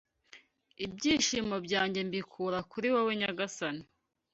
ibyishimo byanjye mbikura kuri wowe nyagasani